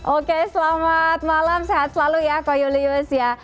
oke selamat malam sehat selalu ya ko julius ya